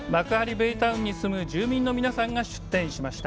ベイタウンに住む住民の皆さんが出店しました。